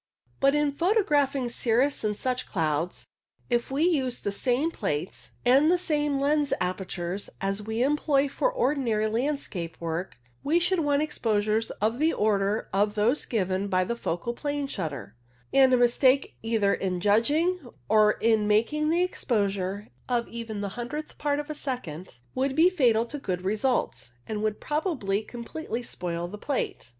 But in photographing cirrus and such clouds, if we used the same plates and the same lens apertures as we employ for ordinary landscape work, we should want exposures of the order of those given by a focal plane shutter, and a mistake either in judging or in making the exposure, of even the hundredth part of a second, would be fatal to good results, and would probably completely spoil the plate.